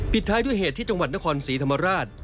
ท้ายด้วยเหตุที่จังหวัดนครศรีธรรมราช